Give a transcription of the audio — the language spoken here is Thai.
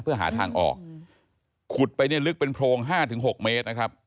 เพื่อหาทางออกขุดไปเนี่ยลึกเป็นโพรงห้าถึงหกเมตรนะครับ